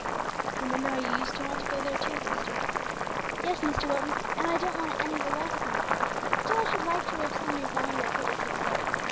"Do you remember how you used to want to go there too, Christie?" "Yes, Mr. Wilton, and I don't want it any the less now; but still I should like to live some years longer, if it is His will.